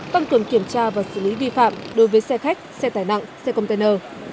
tăng cường kiểm tra và xử lý vi phạm đối với xe khách xe tải nặng xe container